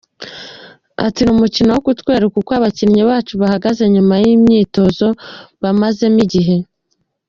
Ati ”Ni umukino wo kutwereka uko abakinnyi bacu bahagaze nyuma y’imyitozo bamazemo igihe.